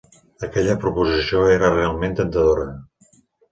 Aquella proposició era realment temptadora.